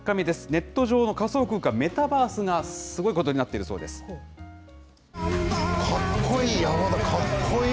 ネット上の仮想空間・メタバースがすごいことになっているそうでかっこいい。